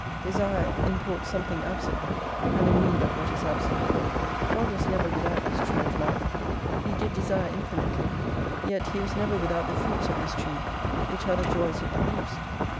Desire 29 imports something absent : and a need of what is absent. God was never without this Tree of Life. He did desire infinitely, yet He was never without the fruits of this Tree, which are the joys it produced.